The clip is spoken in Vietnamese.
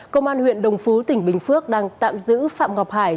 công an huyện đồng phú tỉnh bình phước đang tạm giữ phạm ngọc hải